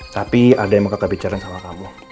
tapi ada yang mau kita bicara sama kamu